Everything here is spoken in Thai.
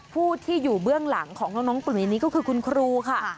ผู้ที่อยู่เบื้องหลังของน้องปุ๋ยนี้ก็คือคุณครูค่ะ